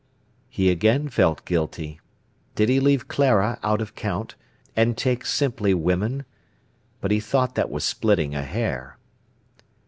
_" He again felt guilty. Did he leave Clara out of count, and take simply women? But he thought that was splitting a hair.